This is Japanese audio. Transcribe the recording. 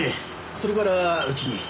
それからうちに。